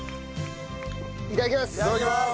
いただきます！